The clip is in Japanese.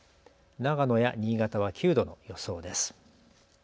長野や新潟は９度の予想です。